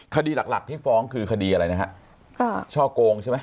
คดีหลักหลักที่ฟ้องคือคดีอะไรนะฮะค่ะช่อโกงใช่ไหม